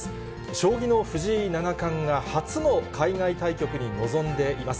将棋の藤井七冠が、初の海外対局に臨んでいます。